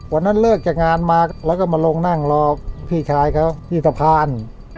วันนั้นเลิกจากงานมาแล้วก็มาลงนั่งรอพี่ชายเขาที่สะพาน